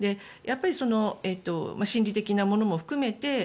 やっぱり心理的なものも含めて